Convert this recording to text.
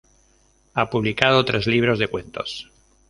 Ha publicado tres libros de cuentos.